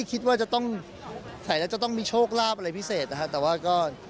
มีตัวเดิมครับก็สวย